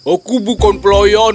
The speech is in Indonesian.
aku bukan pelayan kalian